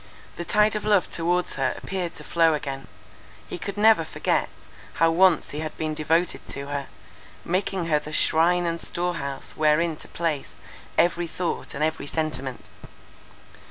The tide of love towards her appeared to flow again; he could never forget, how once he had been devoted to her, making her the shrine and storehouse wherein to place every thought and every sentiment.